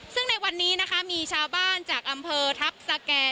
ซึ่งในวันนี้นะคะมีชาวบ้านจากอำเภอทัพสแก่